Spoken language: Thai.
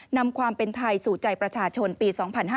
นำความเป็นไทยสู่ใจประชาชนปี๒๕๕๙